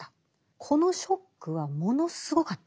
このショックはものすごかったんです。